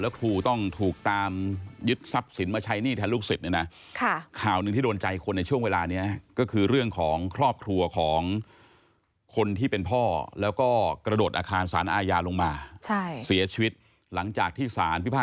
ครูต้องถูกตามยึดทรัพย์สินมาใช้หนี้แทนลูกศิษย์เนี่ยนะ